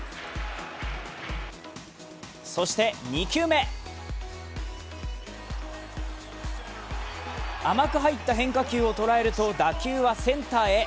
そして、２球目甘く入った変化球を捉えると打球はセンターへ。